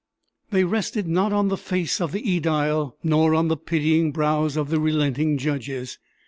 They rested not on the face of the ædile nor on the pitying brows of the relenting judges.